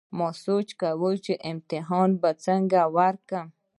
ما سوچ کوو چې امتحان به څنګه ورکوم